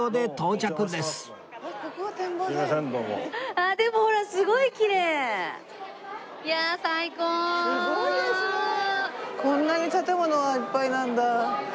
ああでもほらこんなに建物がいっぱいなんだ。